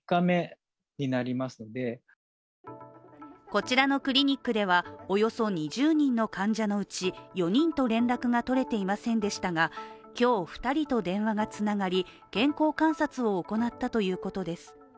こちらのクリニックでは、およそ２０人の患者のうち４人と連絡が取れていませんでしたが今日、２人と電話がつながり健康観察を行ったということです。